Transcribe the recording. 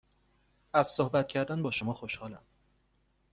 از صحبت کردن با شما خوشحالم.